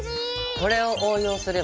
これを応用すればさ。